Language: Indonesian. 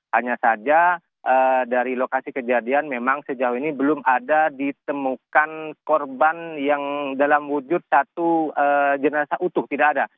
hanya saja dari lokasi kejadian memang sejauh ini belum ada ditemukan korban yang dalam wujud satu jenazah utuh tidak ada